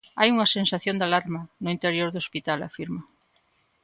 "Hai unha sensación de alarma" no interior do hospital, afirma.